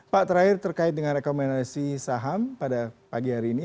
pak terakhir terkait dengan rekomendasi saham pada pagi hari ini